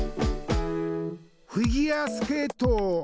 フィギュアスケート！